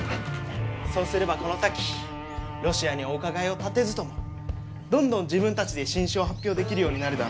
そうすればこの先ロシアにお伺いを立てずともどんどん自分たちで新種を発表できるようになるだろう？